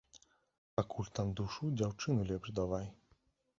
Пакуль там душу, дзяўчыну лепш давай!